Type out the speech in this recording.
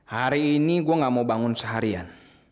hari ini gue gak mau bangun seharian